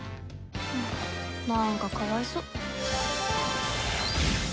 なんかかわいそう。